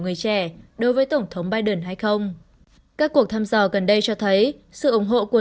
người trẻ đối với tổng thống biden hay không các cuộc thăm dò gần đây cho thấy sự ủng hộ của